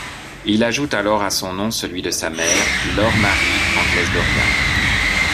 Il ajoute alors à son nom celui de sa mère, Laure Marie Anglès d'Auriac.